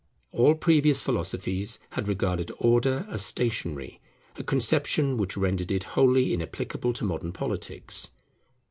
All previous philosophies had regarded Order as stationary, a conception which rendered it wholly inapplicable to modern politics.